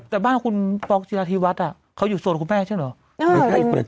จินป๊อกเจียนนาทีวัทย์อะเขาอยู่ส่วนคุณแม่ใช่เหรอ